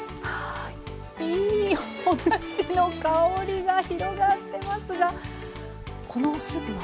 いいおだしの香りが広がってますがこのスープは？